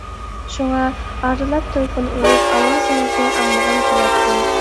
شۇڭا، ئارىلاپ تېلېفون ئۇرۇپ، ئاۋازىڭىزنى ئاڭلىغۇم كېلەتتى.